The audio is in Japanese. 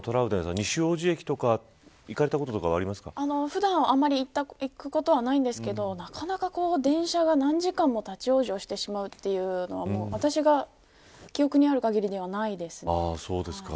西大路駅とか普段あんまり行くことはないんですけどなかなか電車が何時間も立ち往生してしまうというのは私が記憶にある限りではないです。